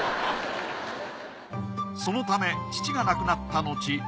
そのため父が亡くなったのち